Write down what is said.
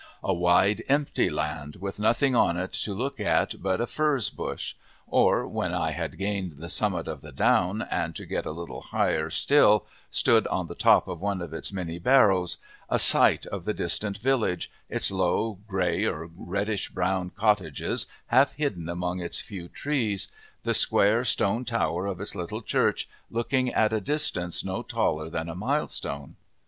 A wide, empty land, with nothing on it to look at but a furze bush; or when I had gained the summit of the down, and to get a little higher still stood on the top of one of its many barrows, a sight of the distant village, its low, grey or reddish brown cottages half hidden among its few trees, the square, stone tower of its little church looking at a distance no taller than a milestone.